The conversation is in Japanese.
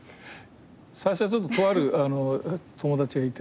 最初はちょっととある友達がいて。